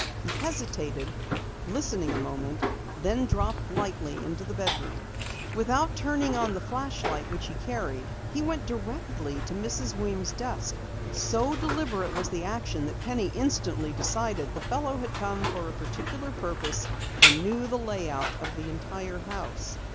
He hesitated, listening a moment, then dropped lightly into the bedroom. Without turning on a flashlight which he carried, he went directly to Mrs. Weems' desk. So deliberate was the action that Penny instantly decided the fellow had come for a particular purpose and knew the lay out of the entire house.